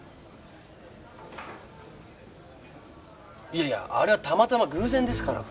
いやいやあれはたまたま偶然ですから。